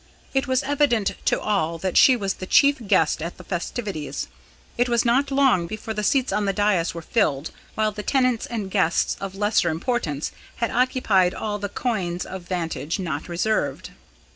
It was evident to all that she was the chief guest at the festivities. It was not long before the seats on the dais were filled, while the tenants and guests of lesser importance had occupied all the coigns of vantage not reserved.